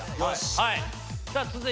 はい。